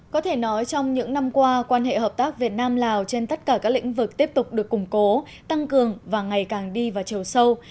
có thể nói trong những năm qua quan hệ hợp tác việt nam lào trên tất cả các lĩnh vực tiếp tục được củng cố tăng cường và ngày càng đi vào chiều sâu